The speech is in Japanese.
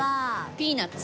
ピーナツ。